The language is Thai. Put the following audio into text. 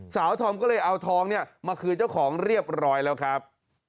ทอมก็เลยเอาทองเนี่ยมาคืนเจ้าของเรียบร้อยแล้วครับ